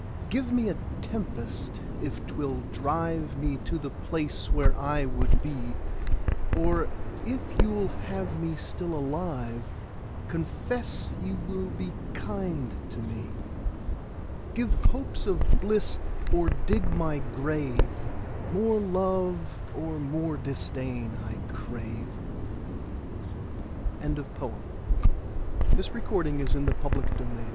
Give me a tempest if 'twill drive Me to the place where I would be; Or if you'll have me still alive, Confess you will be kind to me. 10 Give hopes of bliss or dig my grave: More love or more disdain I crave. Contents BIBLIOGRAPHIC RECORD Previous Article N